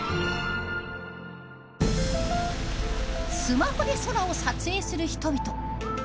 スマホで空を撮影する人々。